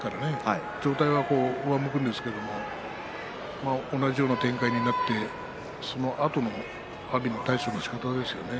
状態は上向きますが同じような展開になってそのあとの阿炎の対処のしかたですね。